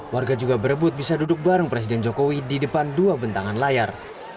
warga juga berebut bisa duduk bareng presiden jokowi di depan dua bentangan layar